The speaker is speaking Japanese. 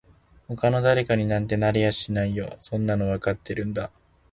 他の誰かになんてなれやしないよそんなのわかってるんだ